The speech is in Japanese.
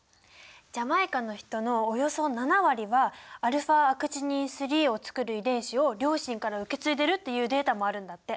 ジャマイカの人のおよそ７割はαアクチニン３をつくる遺伝子を両親から受け継いでるっていうデータもあるんだって！